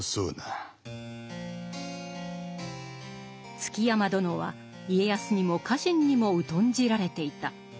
築山殿は家康にも家臣にも疎んじられていた。